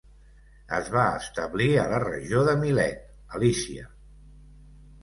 Es va establir a la regió de Milet, a Lícia.